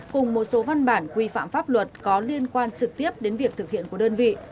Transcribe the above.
cùng một số văn bản quy phạm pháp luật có liên quan trực tiếp đến việc thực hiện của đơn vị